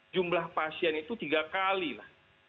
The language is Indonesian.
jumlah pasien itu tiga kali lah